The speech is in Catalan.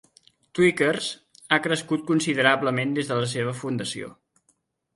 Tweakers ha crescut considerablement des de la seva fundació.